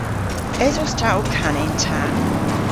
Esos ta ow kana yn ta?